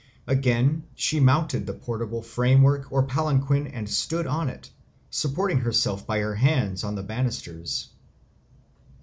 Again she mounted the portable framework or palanquin and stood on it, supporting herself by her hands on the bannisters.